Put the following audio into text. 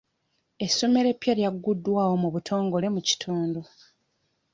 Essomero eppya lyagguddwawo mu butongole mu kitundu.